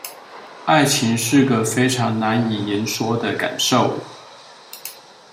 愛情是個非常難以言說的感受